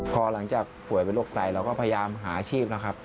พอหลังจากป่วยเป็นโรคไตเราก็พยายามหาอาชีพแล้วครับ